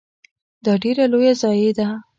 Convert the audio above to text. دا ډیره لوی ضایعه ده .